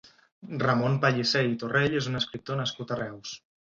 Ramon Pallicé i Torrell és un escriptor nascut a Reus.